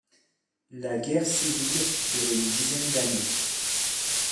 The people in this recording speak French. La guerre civile dure une dizaine d’années.